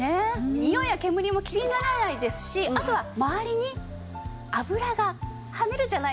ニオイや煙も気にならないですしあとはまわりに油がはねるじゃないですか。